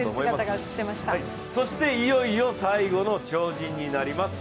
そして、いよいよ最後の超人になります。